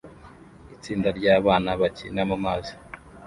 Itsinda ryabana bakina mumazi